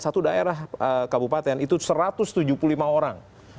satu daerah kabupaten itu cukup banyak itu satu ratus tujuh puluh lima orang